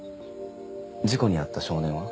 事故に遭った少年は？